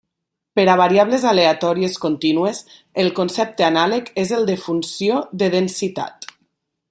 Per a variables aleatòries contínues el concepte anàleg és el de funció de densitat.